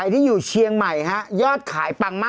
เดี๋ยวนะ